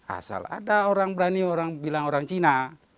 asal ada orang berani bilang orang cina